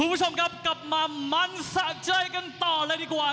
คุณผู้ชมครับกลับมามันสะใจกันต่อเลยดีกว่า